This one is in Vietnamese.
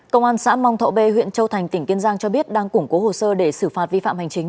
công an xã mong thọ b huyện châu thành tỉnh kiên giang cho biết đang củng cố hồ sơ để xử phạt vi phạm hành chính